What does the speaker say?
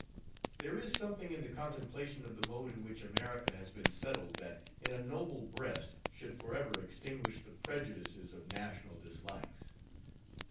There is something in the contemplation of the mode in which America has been settled, that, in a noble breast, should forever extinguish the prejudices of national dislikes.